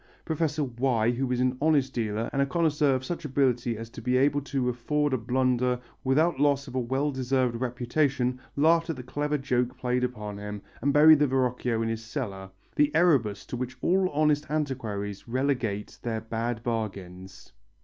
Professor Y., who is an honest dealer and a connoisseur of such ability as to be able to afford a blunder without loss of a well deserved reputation, laughed at the clever joke played upon him and buried the Verrocchio in his cellar the Erebus to which all honest antiquaries relegate their bad bargains.